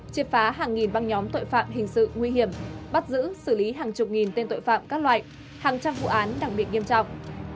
chiết phá hàng nghìn băng nhóm tội phạm hình sự nguy hiểm bắt giữ xử lý hàng chục nghìn tên tội phạm các loại hàng trăm vụ án đặc biệt nghiêm trọng